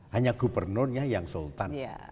hanya gubernurnya yang sultan